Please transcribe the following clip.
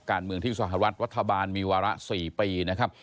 การเมืองที่สหรัฐรัฐบาลมีวาระ๔ปีนะครับ